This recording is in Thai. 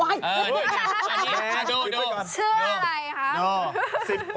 เอาไงค่ะดูครับชื่ออะไรหรือครับโด่